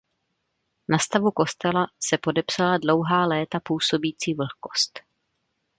Na stavu kostela se podepsala dlouhá léta působící vlhkost.